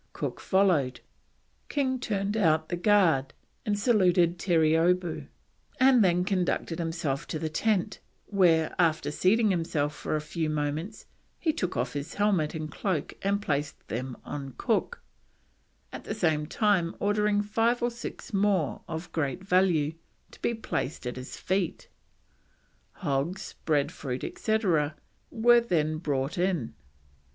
Cook followed; King turned out the guard and saluted Terreeoboo, and then conducted him to the tent, where, after seating himself for a few moments, he took off his helmet and cloak and placed them on Cook, at the same time ordering five or six more, of great value, to be placed at his feet. Hogs, bread fruit, etc., were then brought in.